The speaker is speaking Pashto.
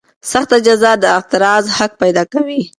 سخته جزا د اعتراض حق پیدا کوي.